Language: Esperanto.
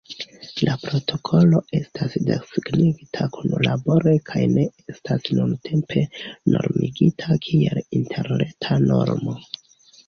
La protokolo estas desegnita kunlabore kaj ne estas nuntempe normigita kiel interreta normo.